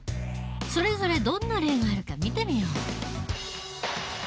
それぞれどんな例があるか見てみよう。